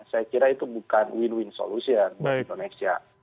saya kira itu bukan win win solution buat indonesia